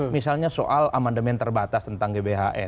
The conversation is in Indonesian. misalnya soal amandemen terbatas tentang gbhn